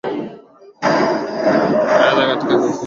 kwa niamba ya mwezangu reuben lukumbuka mimi ni zuhra mwera